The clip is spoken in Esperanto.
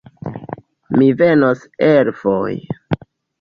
Mi venos elfoj